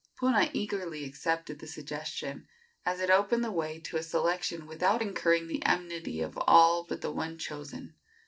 Puna eagerly accepted the suggestion, as it opened the way to a selection without incurring the enmity of all but the one chosen.